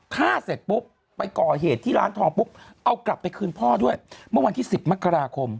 ฆ่าเสร็จปุ๊บไปก่อเหตุที่ร้านทองปุ๊บเอากลับไปคืนพ่อด้วยเมื่อวันที่สิบมกราคม